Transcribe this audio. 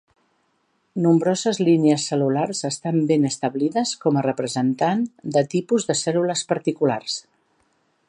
Nombroses línies cel·lulars estan ben establides com a representant de tipus de cèl·lules particulars.